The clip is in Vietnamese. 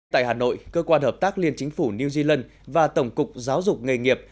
tại hà nội cơ quan hợp tác liên chính phủ new zealand và tổng cục giáo dục nghề nghiệp